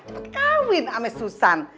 cepet kawin ama susan